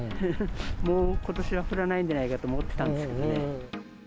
もうことしは降らないんじゃないかと思ってたんですけどね。